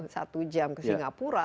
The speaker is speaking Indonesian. satu jam ke singapura